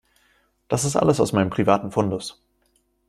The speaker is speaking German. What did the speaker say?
Das ist alles aus meinem privaten Fundus.